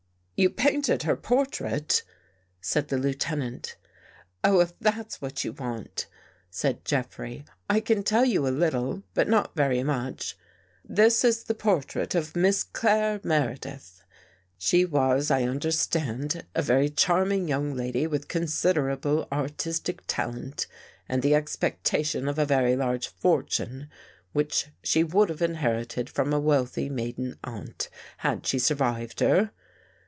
" You painted her portrait," said the Lieutenant. " Oh, if that's what you want," said Jeffrey,* " I can tell you a little, but not very much. This is the portrait of Miss Claire Meredith. She was, I understand, a very charming young lady with con 93 THE GHOST GIRL siderable artistic talent and the expectation of a very large fortune which she would have inherited from a wealthy maiden aunt, had she survived her.